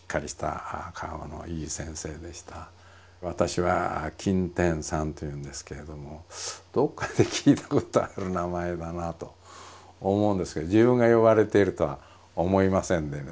私は「金天三」というんですけれどもどっかで聞いたことある名前だなあと思うんですけど自分が呼ばれているとは思いませんでね